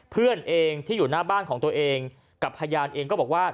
เพื่อนเองที่อยู่หน้าบ้านของตัวเองกับพยานเองก็บอกว่า